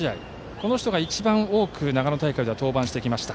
この人が一番多く長野大会では登板してきました。